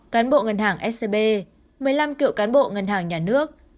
cán bộ ngân hàng scb một mươi năm cựu cán bộ ngân hàng nhà nước